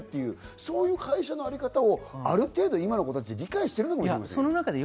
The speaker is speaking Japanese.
そういう会社のあり方をある程度、今の子たち、理解しているのかもしれませんよ。